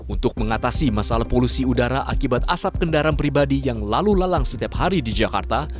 untuk mengatasi masalah polusi udara akibat asap kendaraan pribadi yang lalu lalang setiap hari di jakarta